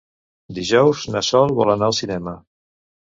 Dijous na Sol vol anar al cinema.